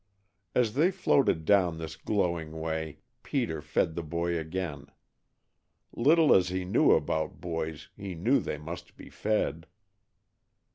As they floated down this glowing way, Peter fed the boy again. Little as he knew about boys, he knew they must be fed.